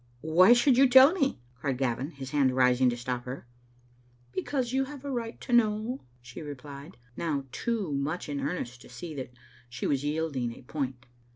"Why should you tell me?" cried Gavin, his hand rising to stop her. "Because you have a right to know," she replied, now too much in earnest to see that she was yielding a point.